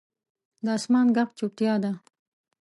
د اسمان ږغ چوپتیا ده.